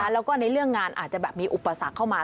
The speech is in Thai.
แล้วก็ในเรื่องงานอาจจะแบบมีอุปสรรคเข้ามา